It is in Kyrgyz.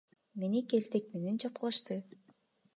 Мени келтек менен чапкылашты.